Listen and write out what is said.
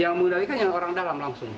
yang mengendalikan yang orang dalam langsung